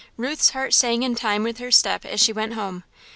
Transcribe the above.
Ruth's heart sang in time with her step as she went home.